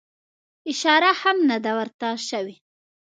اشاره هم نه ده ورته سوې.